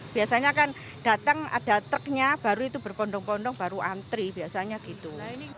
biasanya kan datang ada truknya baru itu berpondong pondok baru antri biasanya gitu